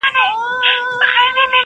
تش په نامه یې د اشرف المخلوقات نه منم،